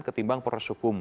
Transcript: ketimbang proses hukum